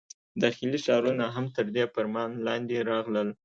داخلي ښارونه هم تر دې فرمان لاندې راغلل.